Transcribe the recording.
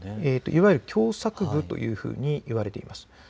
いわゆる狭さく部というふうにいわれています。